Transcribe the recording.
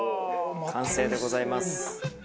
完成でございます。